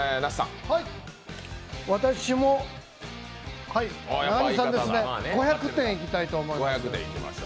私も中西さんですね、５００点いきたいと思います。